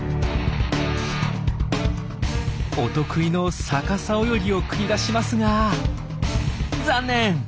お得意の逆さ泳ぎを繰り出しますが残念！